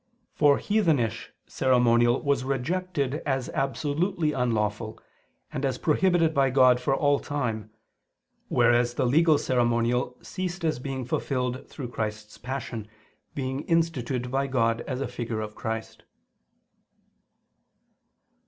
For heathenish ceremonial was rejected as absolutely unlawful, and as prohibited by God for all time; whereas the legal ceremonial ceased as being fulfilled through Christ's Passion, being instituted by God as a figure of Christ.